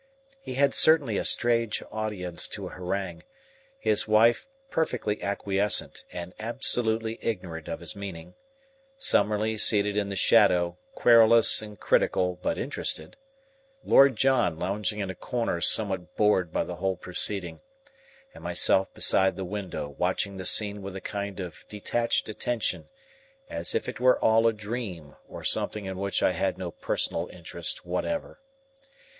He had certainly a strange audience to harangue: his wife perfectly acquiescent and absolutely ignorant of his meaning, Summerlee seated in the shadow, querulous and critical but interested, Lord John lounging in a corner somewhat bored by the whole proceeding, and myself beside the window watching the scene with a kind of detached attention, as if it were all a dream or something in which I had no personal interest whatever.